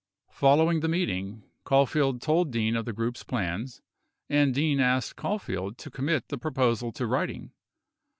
41 Following the meeting, Caulfield told Dean of the group's plans, and Dean asked Caulfield to commit the proposal to writing.